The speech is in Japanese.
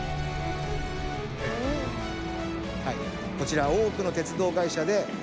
こちら多くの鉄道会社で取り入れ